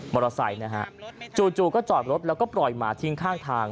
มอเตอร์ไซค์นะฮะจู่ก็จอดรถแล้วก็ปล่อยหมาทิ้งข้างทาง